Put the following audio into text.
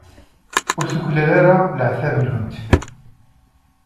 Ur tuklal ara leɛtab-nwent.